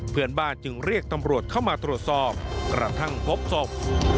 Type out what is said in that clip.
เพื่อนบ้านจึงเรียกตำรวจเข้ามาตรวจสอบกระทั่งพบศพ